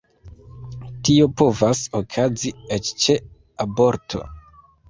Tio povas okazi eĉ ĉe aborto.